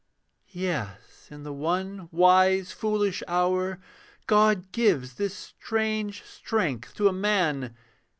Yes, in the one wise foolish hour God gives this strange strength to a man.